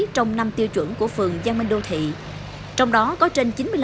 trong năm tiêu chí của quận thuốc nốt